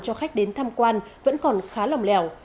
cho khách đến tham quan vẫn còn khá lòng lèo